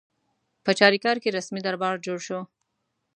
په چاریکار کې رسمي دربار جوړ شو.